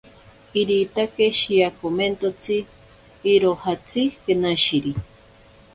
Iritake shiakomentotsi irojatsi kenashiri.